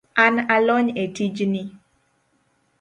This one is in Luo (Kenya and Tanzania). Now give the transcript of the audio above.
An alony e tijni